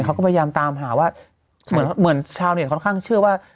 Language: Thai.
เขาก็พยายามตามหาว่าเหมือนชาวเน็ตค่อนข้างเชื่อว่า